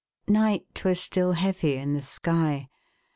NIGHT was still heavy in the sky.